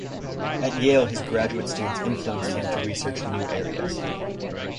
At Yale his graduate students influenced him to research new areas.